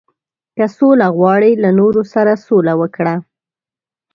• که سوله غواړې، له نورو سره سوله وکړه.